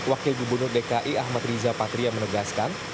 wakil gubernur dki ahmad riza patria menegaskan